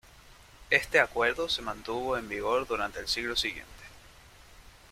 Este acuerdo se mantuvo en vigor durante el siglo siguiente.